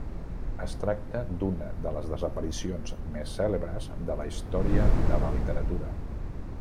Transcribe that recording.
Es tracta d'una de les desaparicions més cèlebres de la història de la literatura.